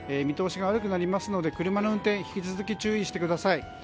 見通しが悪くなりますので車の運転引き続き注意してください。